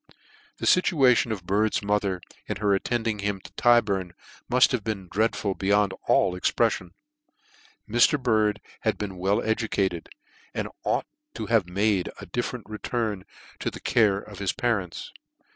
The fituation of Bird's mother, in her attend ing him to Tyburn, mull have been dreadful be yond all exprefiicn ! Mr. Bird had been well edu cated, and ought to have made a different return to the care of his parents.